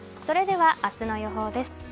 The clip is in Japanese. それでは明日の予報です。